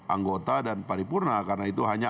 anggota dan paripurna karena itu hanya